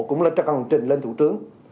cũng lên cho căn trình lên thủ trướng